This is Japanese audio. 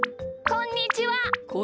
こんにちは。